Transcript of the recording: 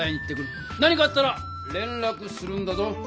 何かあったられんらくするんだぞ。